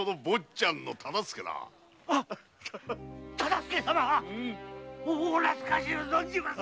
忠相様お懐かしゅう存じます。